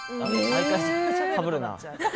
毎回かぶるな。